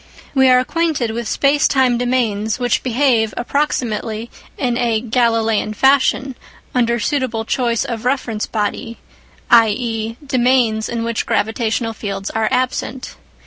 We are acquainted with space time domains which behave (approximately) in a " Galileian " fashion under suitable choice of reference body, i.e. domains in which gravitational fields are absent.